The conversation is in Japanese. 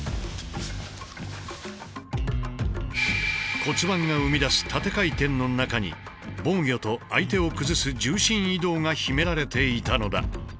骨盤が生み出す縦回転の中に防御と相手を崩す重心移動が秘められていたのだ。